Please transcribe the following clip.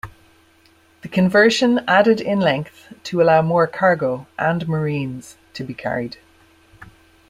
The conversion added in length to allow more cargo and marines to be carried.